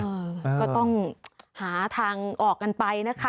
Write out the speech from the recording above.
ก็ต้องหาทางออกกันไปนะคะ